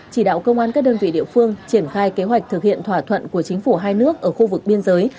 chỉ đạo công an các đơn vị địa phương triển khai kế hoạch thực hiện thỏa thuận của chính phủ hai nước ở khu vực biên giới